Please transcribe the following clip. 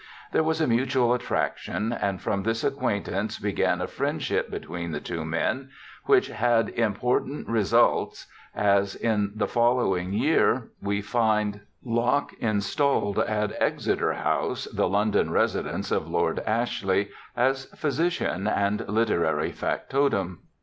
There was a mutual attraction and from this acquain tance began a friendship between the two men which had important results, as in the following year we find 72 BIOGRAPHICAL ESSAYS Locke installed at Exeter House, the London residence of Lord Ashle3% as physician and literary factotum.